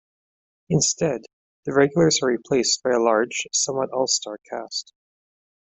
Instead, the regulars are replaced by a large, somewhat all-star cast.